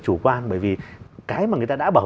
chủ quan bởi vì cái mà người ta đã bảo